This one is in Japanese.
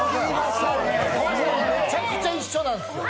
めちゃくちゃ一緒なんですよ。